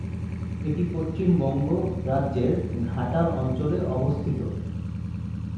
এটি পশ্চিমবঙ্গ রাজ্যের ঘাটাল অঞ্চলে অবস্থিত।